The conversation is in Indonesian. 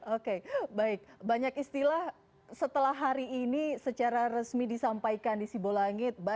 oke baik banyak istilah setelah hari ini secara resmi disampaikan di sibolangit